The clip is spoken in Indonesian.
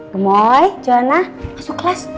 gemoy jona masuk kelas